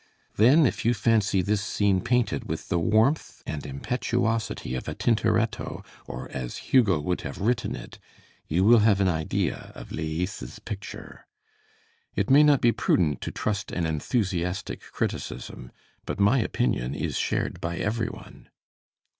Then if you fancy this scene painted with the warmth and impetuosity of a Tintoretto, or as Hugo would have written it, you will have an idea of Leys's picture. It may not be prudent to trust an enthusiastic criticism; but my opinion is shared by every one.